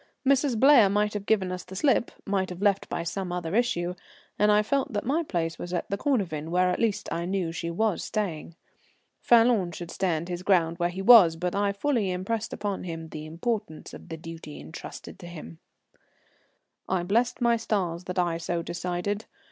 Mrs. Blair might have given us the slip, might have left by some other issue, and I felt that my place was at the Cornavin, where at least I knew she was staying. Falloon should stand his ground where he was, but I fully impressed upon him the importance of the duty entrusted to him. I blessed my stars that I so decided. Mrs.